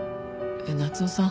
夏雄さん